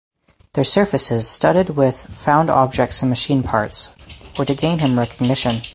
Their surfaces, studded with found objects and machine parts, were to gain him recognition.